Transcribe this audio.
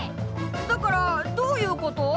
だからどういうこと？